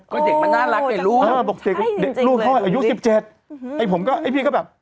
ก็เด็กมันน่ารักดิลูกเออบอกเด็กเด็กลูกเขาอายุสิบเจ็ดไอ้ผมก็ไอ้พี่ก็แบบ